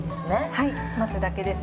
はい待つだけです。